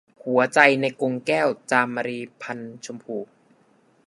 หัวใจในกรงแก้ว - จามรี พรรณชมพู